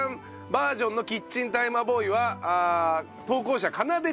バージョンのキッチンタイマーボーイは投稿者かなで